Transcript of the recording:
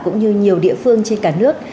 cũng như nhiều địa phương trên cả nước